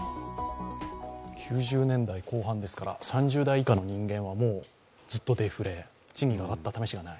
９０年代後半ですから、３０代以下の人間はもうずっとデフレ、賃金が上がったためしがない。